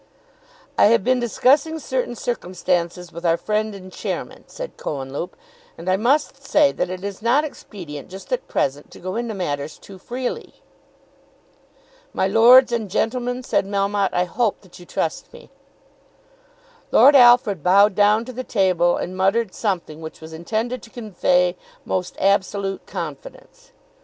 "I have been discussing certain circumstances with our friend and Chairman," said Cohenlupe, "and I must say that it is not expedient just at present to go into matters too freely." "My lords and gentlemen," said Melmotte. "I hope that you trust me." Lord Alfred bowed down to the table and muttered something which was intended to convey most absolute confidence.